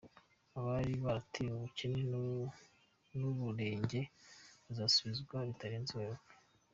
Abari baratewe ubukene n’uburenge bazasubizwa bitarenze Werurwe